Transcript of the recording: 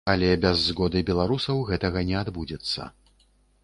Але без згоды беларусаў гэтага не адбудзецца.